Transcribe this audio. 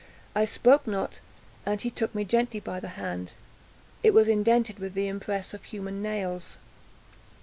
I spoke not, and he took me gently by the hand: it was indented with the impress of human nails.